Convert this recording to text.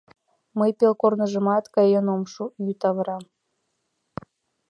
Мый пел корныжымат каен ом шу, йӱд авыра.